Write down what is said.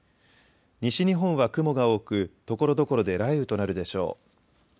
西日本は雲が多くところどころで雷雨となるでしょう。